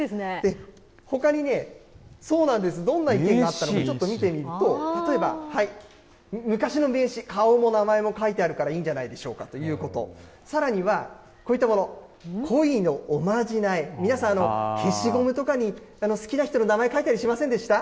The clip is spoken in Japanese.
ほかにね、どんなのがあるかちょっと見てみると、例えば昔の名刺、顔も名前も書いてあるからいいんじゃないでしょうかということ、さらには、こういったもの、恋のおまじない、皆さん、消しゴムとかに好きな人の名前書いたりしませんでした？